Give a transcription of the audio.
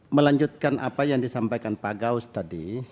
melanjutkan apa yang disampaikan pak gaus tadi